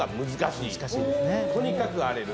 とにかく荒れる。